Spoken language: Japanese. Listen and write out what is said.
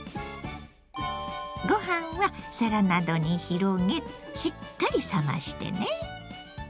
ご飯は皿などに広げしっかり冷ましてね。